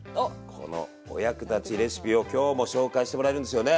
このお役立ちレシピを今日も紹介してもらえるんですよね？